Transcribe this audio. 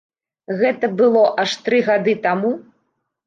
Гэта было аж тры гады таму!